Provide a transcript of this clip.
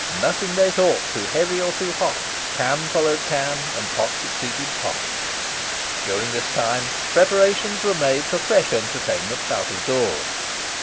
Nothing they thought too heavy or too hot, Can follow'd can, and pot succeeded pot." during this time preparations were making for fresh entertainments out of doors.